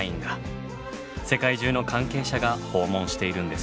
世界中の関係者が訪問しているんですね。